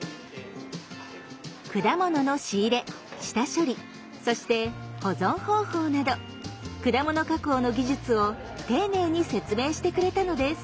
果物の仕入れ下処理そして保存方法など果物加工の技術を丁寧に説明してくれたのです。